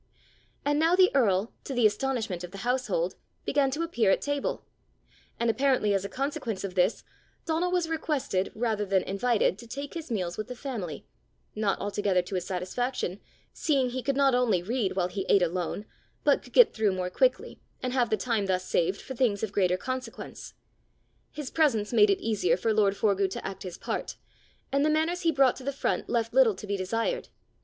And now the earl, to the astonishment of the household, began to appear at table; and, apparently as a consequence of this, Donal was requested rather than invited to take his meals with the family not altogether to his satisfaction, seeing he could not only read while he ate alone, but could get through more quickly, and have the time thus saved, for things of greater consequence. His presence made it easier for lord Forgue to act his part, and the manners he brought to the front left little to be desired.